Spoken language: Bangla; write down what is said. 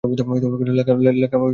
লেখা উচিত ছিল।